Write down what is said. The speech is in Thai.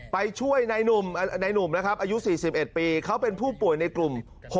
ไปช่วยในหนุ่มนะครับอายุ๔๑ปีเขาเป็นผู้ป่วยในกลุ่ม๖